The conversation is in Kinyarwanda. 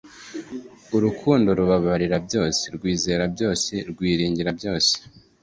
Urukundo rubabarira byose rwizera byose rwiringira byose